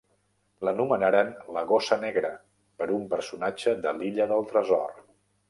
L'anomenaren "la gossa negra" per un personatge de l'"Illa del tresor".